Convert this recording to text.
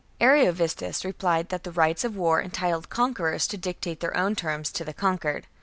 Ariovistus replied that the rights of war entitled conquerors to dictate their own terms to the conquered.